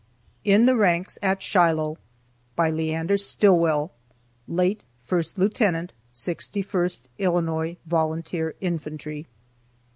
IN THE RANKS AT SHILOH. By Leander Stillwell, late First Lieutenant, 61st Illinois Volunteer Infantry.